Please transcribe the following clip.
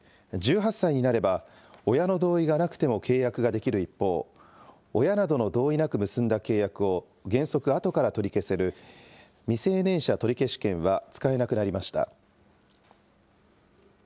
１８歳になれば親の同意がなくても契約ができる一方、親などの同意なく結んだ契約を原則あとから取り消せる、未成年者取消権は使えなくなりました。